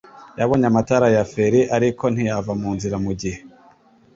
Yabonye amatara ya feri, ariko ntiyava mu nzira mu gihe.